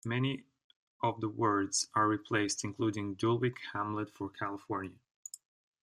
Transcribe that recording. Many of the words are replaced, including Dulwich Hamlet for California.